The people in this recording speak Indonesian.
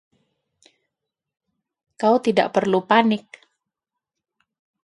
Kau tidak perlu panik.